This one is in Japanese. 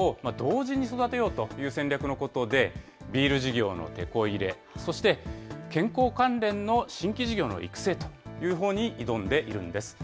これ、本業と新規の事業を同時に育てようという戦略のことで、ビール事業のてこ入れ、そして健康関連の新規事業の育成というほうに挑んでいるんです。